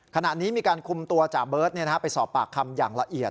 ขณะนี้มีการคุมตัวจ่าเบิร์ตไปสอบปากคำอย่างละเอียด